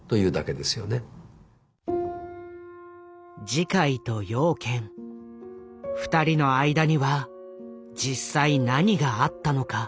慈海と養賢２人の間には実際何があったのか。